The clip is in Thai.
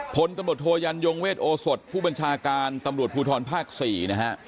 พลตำรวจโทยันยงเวทโอสดผู้บัญชาการตำรวจภูทรภาค๔นะฮะ